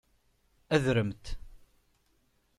Adremt.